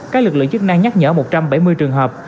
các lực lượng chức năng nhắc nhở một trăm bảy mươi trường hợp